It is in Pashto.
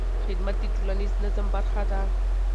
خدمت د ټولنیز نظم برخه ده.